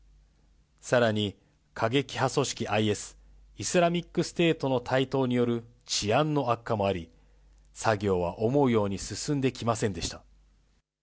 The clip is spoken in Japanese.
さらに、過激派組織ＩＳ・イスラミックステートの台頭による治安の悪化もあり、作業は思うように進んできませんでした。